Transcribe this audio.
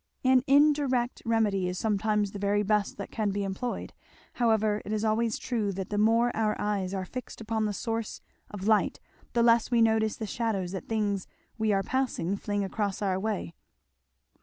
"An indirect remedy is sometimes the very best that can be employed. However it is always true that the more our eyes are fixed upon the source of light the less we notice the shadows that things we are passing fling across our way."